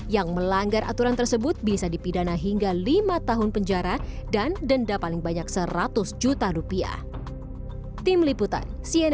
yang melanggar aturan tersebut bisa dipidana hingga lima tahun penjara dan denda paling banyak seratus juta rupiah